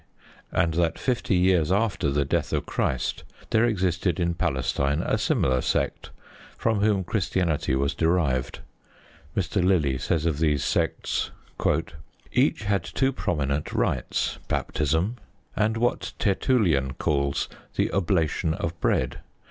and that fifty years after the death of Christ there existed in Palestine a similar sect, from whom Christianity was derived. Mr. Lillie says of these sects: Each had two prominent rites: baptism, and what Tertullian calls the "oblation of bread."